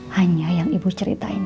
hanya yang ibu ceritain